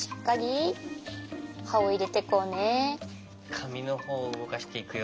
かみのほうをうごかしていくよ。